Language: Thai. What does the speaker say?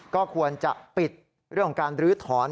ก็ควรจะปิดเรื่องของการลื้อถอน